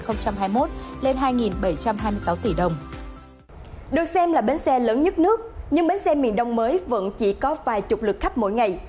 được xem là bến xe lớn nhất nước nhưng bến xe miền đông mới vẫn chỉ có vài chục lực khách mỗi ngày